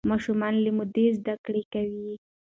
ماشومان له مودې زده کړه کوي.